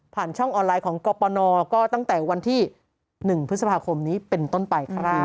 ช่องออนไลน์ของกรปนก็ตั้งแต่วันที่๑พฤษภาคมนี้เป็นต้นไปครับ